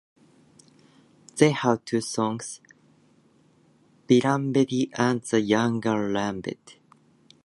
They had two sons, Viramdev and the younger Ramdev.